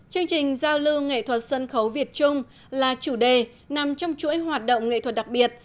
chương trình giao lưu nghệ thuật sân khấu việt trung là chủ đề nằm trong chuỗi hoạt động nghệ thuật đặc biệt